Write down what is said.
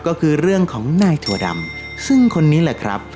ก็คือเรื่องของนายถั่วดำซึ่งคนนี้แหละครับ